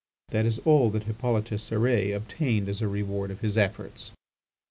That is all that Hippolyte Cérès obtained as a reward of his efforts.